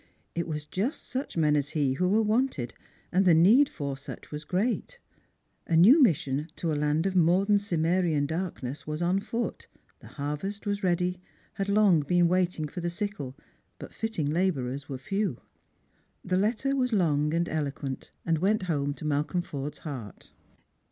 It was just such men as he who were wanted, and the need for such was great. A new mission to a land of more than Cimmerian darkness was on foot ; the harvest was ready ; had long been waiting for the sickle, but fitting labourers were few. The letter was long and eloquent, and went home to Malcolm Forde's heart.